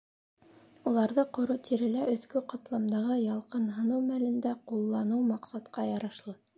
Уларҙы ҡоро тирелә өҫкө ҡатламдағы ялҡынһыныу мәлендә ҡулланыу маҡсатҡа ярашлы.